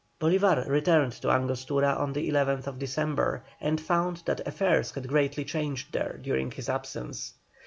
Bolívar returned to Angostura on the 11th December, and found that affairs had greatly changed there during his absence.